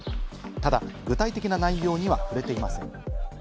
ただ具体的な内容には触れていません。